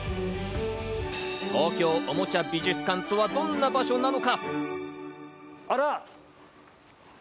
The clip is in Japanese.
東京おもちゃ美術館とは、どんな場所なのか？